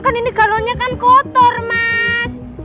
kan ini kalonnya kan kotor mas